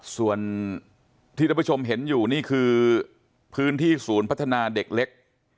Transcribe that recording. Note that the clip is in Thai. ส่วนที่ท่านผู้ชมเห็นอยู่นี่คือพื้นที่ศูนย์พัฒนาเด็กเล็ก